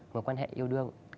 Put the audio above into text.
một quan hệ yêu đương